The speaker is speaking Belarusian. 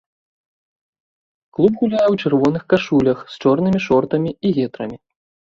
Клуб гуляе ў чырвоных кашулях з чорнымі шортамі і гетрамі.